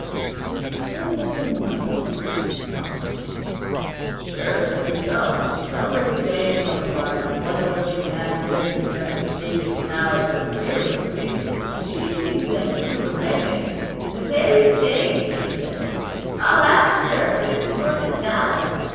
"Do you suppose any one buys them?" marveled Jennie. "Surest thing you know. Some rich dame coming by here, wondering what she can have for dinner to tempt the jaded palates of her dear ones, see? She sees them Cuban maymeys. 'The very thing!' she says. 'I'll have 'em served just before the salad.'